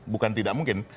bukan tidak mungkin